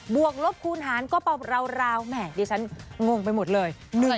บวกลบคูณหารก็เปราะราวแม่ดิฉันง่วงไปหมดเลย